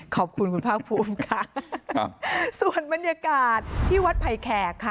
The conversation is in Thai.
ขอบคุณคุณภาคภูมิค่ะครับส่วนบรรยากาศที่วัดไผ่แขกค่ะ